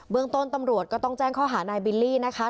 เมืองต้นตำรวจก็ต้องแจ้งข้อหานายบิลลี่นะคะ